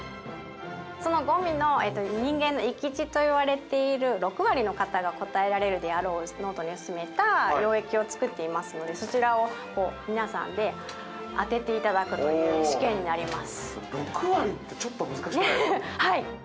その五味の人間の閾値といわれている６割の方が答えられるであろう濃度に薄めた溶液を作っていますのでそちらを皆さんで当てて頂くという試験になります。